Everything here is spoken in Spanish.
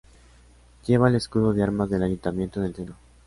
Lleva el escudo de armas del Ayuntamiento en el centro.